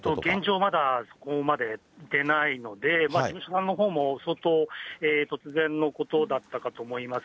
まだそこまで出ないので、事務所さんのほうも相当、突然のことだったかと思います。